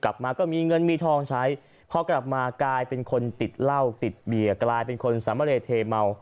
กลับมาก็มีเงินมีทองใช้พอกลับมากลายเป็นคนติดเหล้าติดเบียร์กลายเป็นคนสามเณรเทเมา